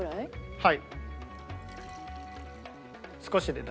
はい。